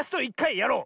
やろう！